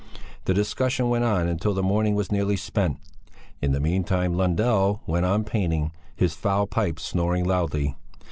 The discussion went on until the morning was nearly spent. In the meantime Lundell went on painting, his foul pipe snoring loudly.